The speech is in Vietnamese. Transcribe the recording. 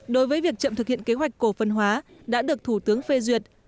đối với việc chậm thực hiện kế hoạch cổ phần hóa đã được thủ tướng phê duyệt